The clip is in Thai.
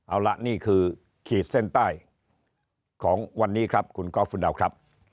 เอาละนี่คือขีดเส้นใต้ของวันนี้ครับคุณกอล์ฟคุณดาวครับ